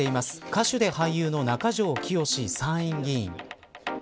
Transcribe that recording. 歌手で俳優の中条きよし参院議員。